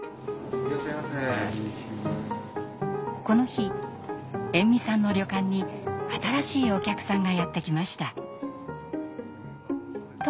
この日延味さんの旅館に新しいお客さんがやって来ました。